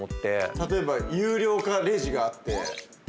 例えば有料化レジがあって。